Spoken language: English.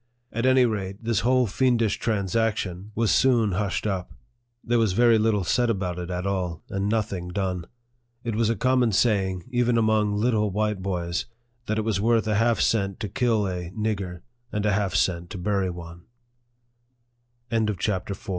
At any rate, this whole fiendish transaction was soon NARRATIVE OF THE hushed up. There was very little said about it at all, and nothing done. It was a common saying, even among little white boys, that it was worth a half cent to kill a " nigger," and a half cent to bury on